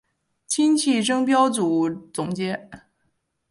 今季争标组总结。